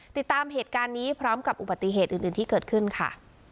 ติดตามเหตุการณ์นี้พร้อมกับอุบัติเหตุอื่นที่เกิดขึ้นค่ะ